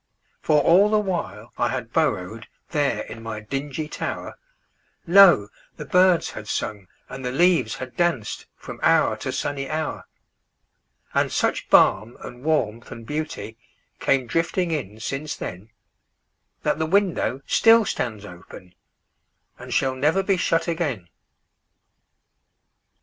For all the while I had burrowedThere in my dingy tower, Lo! the birds had sung and the leaves had dancedFrom hour to sunny hour. And such balm and warmth and beautyCame drifting in since then, That the window still stands openAnd shall never be shut again.